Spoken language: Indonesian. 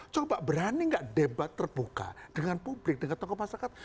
coba berani nggak debat terbuka dengan publik dengan tokoh masyarakat